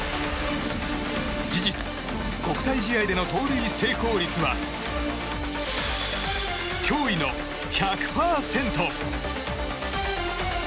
事実、国際試合での盗塁成功率は驚異の１００％。